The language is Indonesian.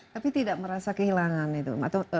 tapi tidak merasa kehilangan itu